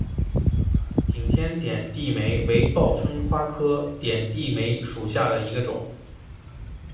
景天点地梅为报春花科点地梅属下的一个种。